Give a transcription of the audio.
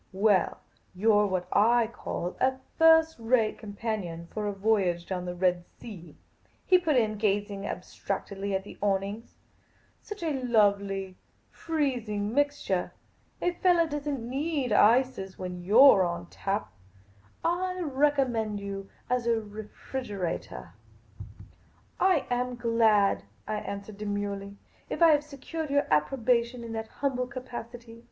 " Well, you 're what I call a first rate companion for a voyage down the Red Sea," he put in, gazing abstractedly at the awnings. " Such a lovely, freezing mixture ! A fellah does n't need ices when you 're on tap. I recommend you as a refrigeratah." " I am glad," I answered demurely, " if I have secured your approbation in that humble capacity.